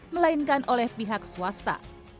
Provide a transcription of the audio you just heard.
melainkan oleh pihak swasta